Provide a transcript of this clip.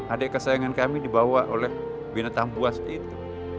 adik kesayangan kami dibawa oleh binatang buas itu